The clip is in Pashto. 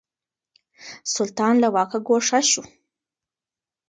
سلطان له واکه ګوښه شو.